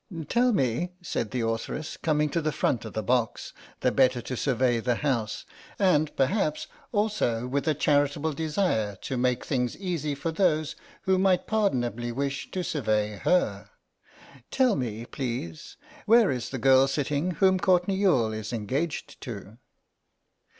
"Tell me," said the authoress, coming to the front of the box, the better to survey the house, and perhaps also with a charitable desire to make things easy for those who might pardonably wish to survey her, "tell me, please, where is the girl sitting whom Courtenay Youghal is engaged to?"